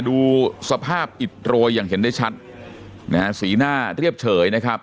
ดูสภาพอิดโรยอย่างเห็นได้ชัดนะฮะสีหน้าเรียบเฉยนะครับ